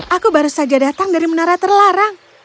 aku baru saja datang dari menara terlarang